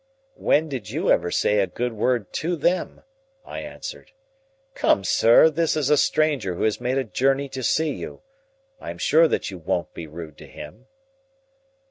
"When did you ever say a good word to them?" I answered. "Come, sir, this is a stranger who has made a journey to see you. I am sure that you won't be rude to him."